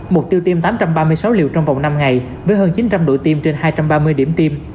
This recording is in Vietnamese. mục tiêu tiêm tám trăm ba mươi sáu liều trong vòng năm ngày với hơn chín trăm linh đội tiêm trên hai trăm ba mươi điểm tiêm